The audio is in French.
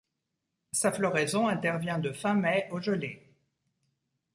Sa floraison intervient de fin mai aux gelées.